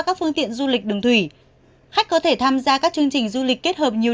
các phương tiện du lịch đường thủy khách có thể tham gia các chương trình du lịch kết hợp nhiều